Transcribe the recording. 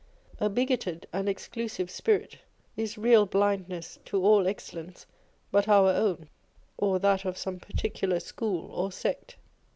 A bigoted and exclusive spirit is real blindness to all excellence but our own, or that of some particular school or sect.